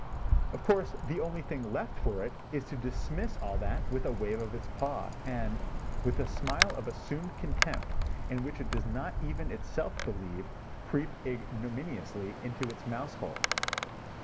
Of course the only thing left for it is to dismiss all that with a wave of its paw, and, with a smile of assumed contempt in which it does not even itself believe, creep ignominiously into its mouse hole.